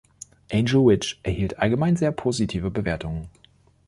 „Angel Witch“ erhielt allgemein sehr positive Bewertungen.